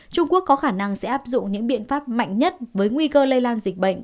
trung quốc có khả năng sẽ áp dụng những biện pháp mạnh nhất với nguy cơ lây lan dịch bệnh